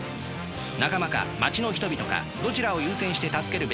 仲間か街の人々かどちらを優先して助けるべきか。